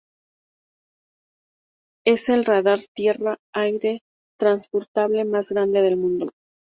Es el radar tierra-aire transportable más grande del mundo.